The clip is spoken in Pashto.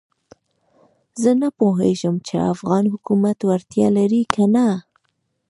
زه نه پوهېږم چې افغان حکومت وړتیا لري کنه.